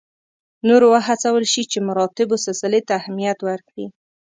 نور وهڅول شي چې مراتبو سلسلې ته اهمیت ورکړي.